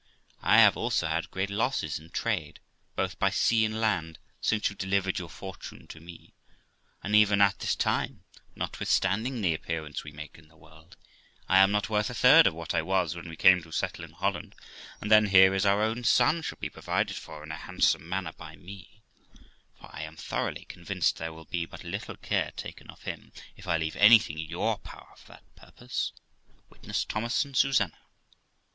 I have also had great losses in trade, both by sea and land, since you delivered your fortune to me, and even at this time, notwithstanding the appearance we make in the world, I am not worth a third of what I was when we came to settle in Holland; and then, here is our own son shall be provided for in a handsome manner by me; for I am thoroughly convinced there will be but little care taken of him, if I leave anything in your power for that purpose : witness Thomas and Susanna.'